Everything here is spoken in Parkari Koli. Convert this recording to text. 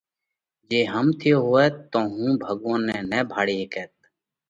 جي هم ٿيو هوئت تو هُون ڀڳوونَ نئہ ڀاۯي هيڪئت